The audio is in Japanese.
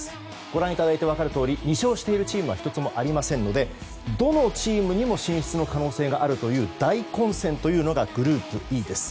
ご覧いただいて分かるとおり２勝しているチームは１つもありませんのでどのチームにも進出の可能性があるという大混戦というのがグループＥです。